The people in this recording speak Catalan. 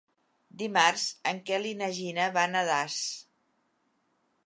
Dimarts en Quel i na Gina van a Das.